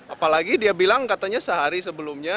apalagi dia bilang katanya sehari sebelumnya